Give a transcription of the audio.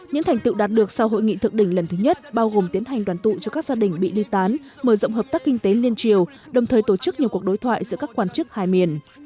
những thành tựu đạt được sau hội nghị thượng đỉnh lần thứ nhất bao gồm tiến hành đoàn tụ cho các gia đình bị ly tán mở rộng hợp tác kinh tế liên triều đồng thời tổ chức nhiều cuộc đối thoại giữa các quan chức hai miền